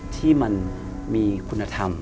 ที่มันมีคุณธรรม